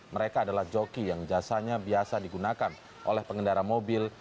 mereka adalah joki yang jasanya biasa digunakan oleh pengendara mobil